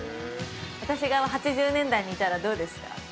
私が８０年代にいたらどうですか？